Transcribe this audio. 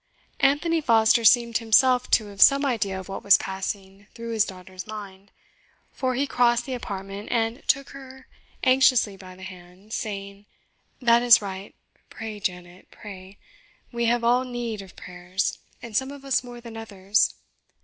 Anthony Foster seemed himself to have some idea of what was passing through his daughter's mind, for he crossed the apartment and took her anxiously by the hand, saying, "That is right pray, Janet, pray; we have all need of prayers, and some of us more than others.